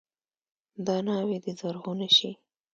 دا ناوې دې زرغونه شي.